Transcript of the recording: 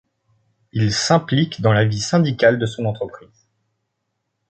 Il s'implique dans la vie syndicale de son entreprise.